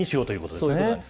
そういうことです。